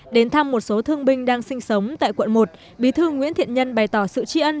đến thăm một số thương binh đang sinh sống tại quận một bí thư nguyễn thiện nhân bày tỏ sự tri ân